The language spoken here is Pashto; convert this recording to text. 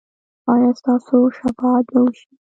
ایا ستاسو شفاعت به وشي؟